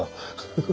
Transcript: フフ。